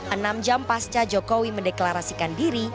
enam jam pasca jokowi mendeklarasikan diri